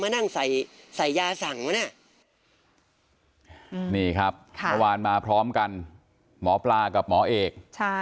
นี่ครับเมื่อวานมาพร้อมกันหมอปลากับหมอเอก